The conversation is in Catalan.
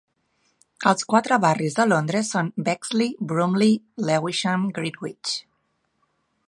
Els quatre barris de Londres són Bexley, Bromley, Lewisham i Greenwich.